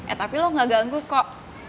eh tapi lo gak ganggu kok